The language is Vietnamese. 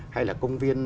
hay là công viên